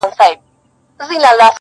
نه یم رسېدلی و سپېڅلي لېونتوب ته زه,